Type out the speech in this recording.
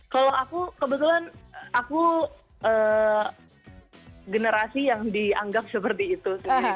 kalau aku kebetulan aku generasi yang dianggap seperti itu